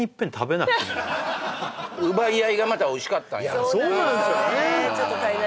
いやそうなんすよね